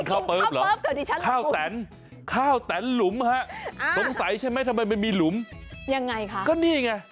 ข้าวแตนหลุมฮะสงสัยใช่ไหมทำไมมันมีหลุมยังไงค่ะก็นี่ไง